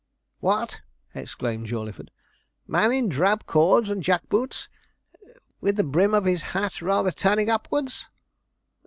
'What!' exclaimed Jawleyford, 'man in drab cords and jack boots, with the brim of his hat rather turning upwards?'